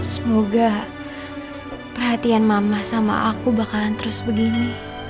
semoga perhatian mama sama aku bakalan terus begini